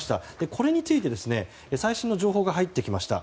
これについて最新の情報が入ってきました。